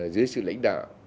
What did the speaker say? dưới sự lãnh đạo